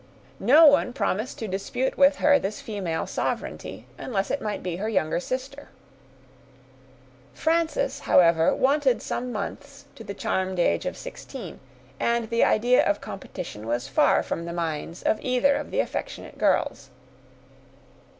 No one promised to dispute with her this female sovereignty, unless it might be her younger sister. Frances, however, wanted some months to the charmed age of sixteen; and the idea of competition was far from the minds of either of the affectionate girls.